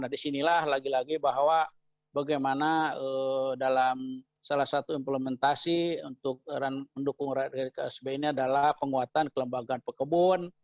nah disinilah lagi lagi bahwa bagaimana dalam salah satu implementasi untuk mendukung ksb ini adalah penguatan kelembagaan pekebun